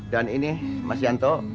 dan ini mas yanto